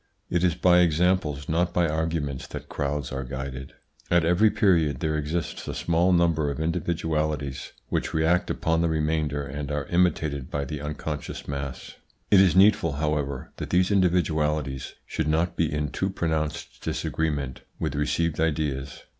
It is by examples not by arguments that crowds are guided. At every period there exists a small number of individualities which react upon the remainder and are imitated by the unconscious mass. It is needful however, that these individualities should not be in too pronounced disagreement with received ideas.